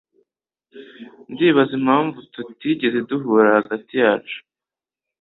Ndibaza impamvu tutigeze duhura hagati yacu.